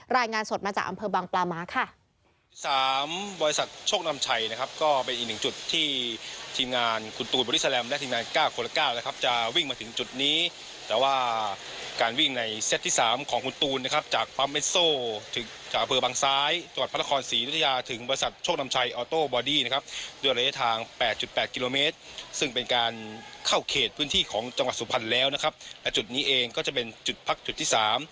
รายงานสดมาจากอำเภอบางปลาม้าค่ะ